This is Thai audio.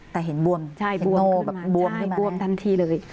แต่เห็นบวมบวมขึ้นมาใช่บวมทันทีเลย